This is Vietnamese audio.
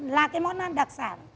là cái món ăn đặc sản